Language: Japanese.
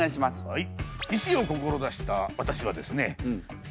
はい。